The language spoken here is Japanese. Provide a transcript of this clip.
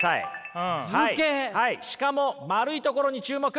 しかも丸いところに注目！